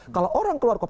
kalau orang keluar kuhab